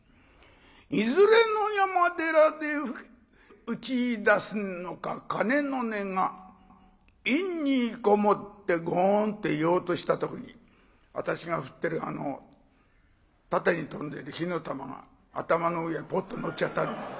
いずれの山寺で打ちいだすのか鐘の音が陰にこもってごん」って言おうとした時私が振ってる縦に飛んでる火の玉が頭の上へポッとのっちゃった。